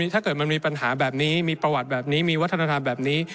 ถ้าเกิดมันมีปัญหาแบบนี้มีประวัติแบบนี้มีวัฒนธรรมแบบนี้